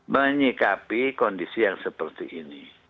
menyikapi kondisi yang seperti ini